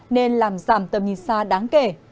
nên làm giảm tầm nhìn xa đáng kể